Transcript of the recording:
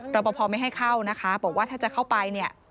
รอปภไม่ให้เข้านะคะบอกว่าถ้าจะเข้าไปเนี่ย